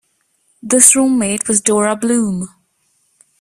This roommate was Dora Bloom.